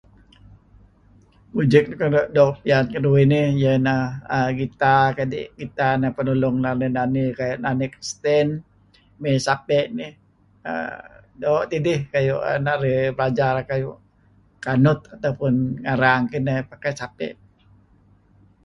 Music nuk doo' piyan keduih iyeh neh gitar kadi' gitar neh peh nulung narih menani kayu' nani kristen mey sape' nih err doo' tidih kayu' an narih belajar kayu' kanut ataupun arang kineh makai sape'